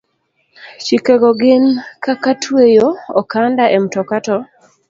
Chike go gin kaka tweyo okanda e mtoka to